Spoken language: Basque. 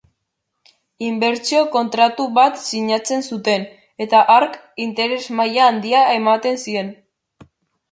Inbertsio-kontratu bat sinatzen zuten, eta hark interes-maila handia ematen zien.